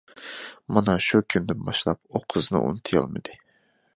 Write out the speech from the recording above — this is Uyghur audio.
مانا شۇ كۈندىن باشلاپ ئۇ قىزنى ئۇنتۇيالمىدى.